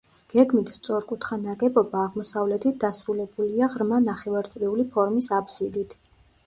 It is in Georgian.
გეგმით სწორკუთხა ნაგებობა აღმოსავლეთით დასრულებულია ღრმა ნახევარწრიული ფორმის აბსიდით.